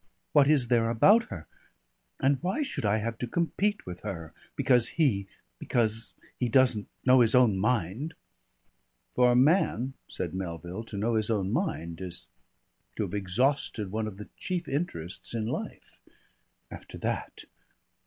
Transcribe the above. What is there about her ? And why should I have to compete with her, because he because he doesn't know his own mind?" "For a man," said Melville, "to know his own mind is to have exhausted one of the chief interests in life. After that